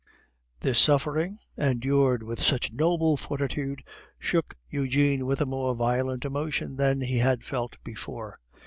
This suffering, endured with such noble fortitude, shook Eugene with a more violent emotion than he had felt before.